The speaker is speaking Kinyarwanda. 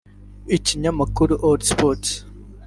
Ikinyamakuru Allsports